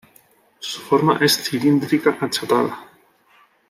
Su forma es cilíndrica achatada.